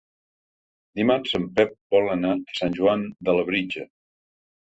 Dimarts en Pep vol anar a Sant Joan de Labritja.